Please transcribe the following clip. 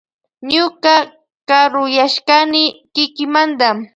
Ñuka karuyashkani kikimanta.